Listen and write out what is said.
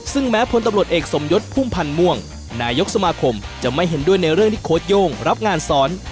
ซึ่งแม้พลตำรวจเอกสมยศพุ่มพันธ์ม่วงนายกสมาคมจะไม่เห็นด้วยในเรื่องที่โค้ดโย่งรับงานสอน